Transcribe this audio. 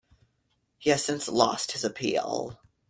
He has since lost his appeal.